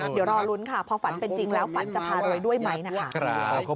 เดี๋ยวรอลุ้นค่ะพอฝันเป็นจริงแล้วฝันจะพารวยด้วยไหมนะคะ